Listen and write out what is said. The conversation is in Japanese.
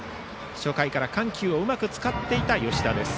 初回から緩急をうまく使っていた吉田です。